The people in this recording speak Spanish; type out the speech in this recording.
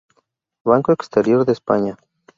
Banco Exterior de España.